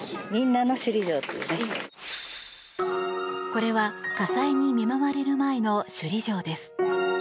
これは火災に見舞われる前の首里城です。